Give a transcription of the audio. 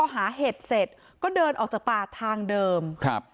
หาเห็ดเสร็จก็เดินออกจากป่าทางเดิมครับ